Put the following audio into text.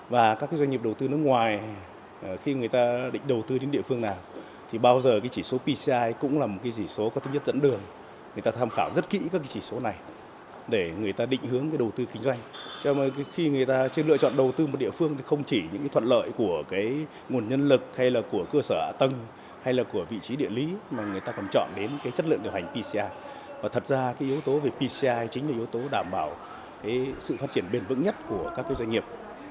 và thật ra yếu tố về pci chính là yếu tố đảm bảo sự phát triển bền vững nhất của các doanh nghiệp